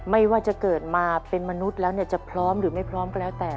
ไม่ว่าจะเกิดมาเป็นมนุษย์แล้วจะพร้อมหรือไม่พร้อมก็แล้วแต่